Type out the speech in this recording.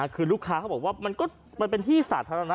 คือลูกค้าเขาบอกว่ามันก็มันเป็นที่สาธารณะ